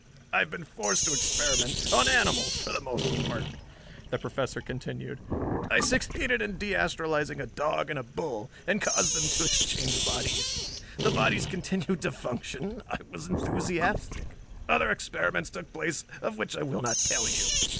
"I have been forced to experiment on animals for the most part," the Professor continued. "I succeeded in de astralizing a dog and a bull and caused them to exchange bodies. The bodies continued to function. I was enthusiastic. Other experiments took place of which I will not tell you.